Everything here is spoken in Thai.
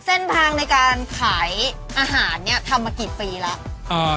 เส้นทางในการขายอาหารเนี่ยทำมากี่ปีแล้ว